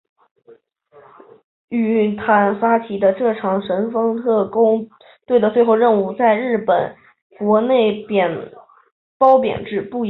宇垣发起的这场神风特攻队的最后任务在日本国内褒贬不一。